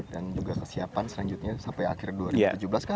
dan juga kesiapan selanjutnya sampai akhir dua ribu tujuh belas kah